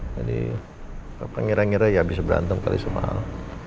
jadi papa ngira ngira ya bisa berantem kali sama al